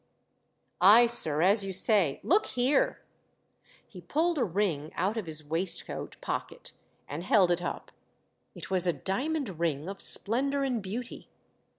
" Ay, sir, as you say. Look here !" He pulled a ring out of his waistcoat pocket and held it up. It was a diamond ring of splendour and beauty.